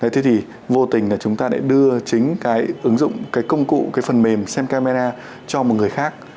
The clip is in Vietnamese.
thế thì vô tình là chúng ta lại đưa chính cái ứng dụng cái công cụ cái phần mềm xem camera cho một người khác